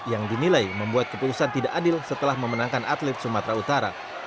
yang dinilai membuat keputusan tidak adil setelah memenangkan atlet sumatera utara